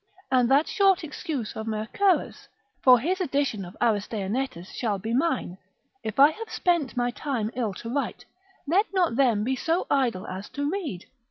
And that short excuse of Mercerus, for his edition of Aristaenetus shall be mine, If I have spent my time ill to write, let not them be so idle as to read.